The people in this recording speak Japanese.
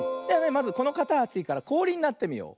まずこのかたちからこおりになってみよう。